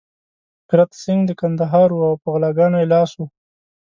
کرت سېنګ د کندهار وو او په غلاګانو يې لاس و.